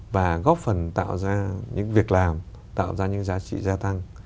và góp phần tạo ra những việc làm tạo ra những giá trị gia tăng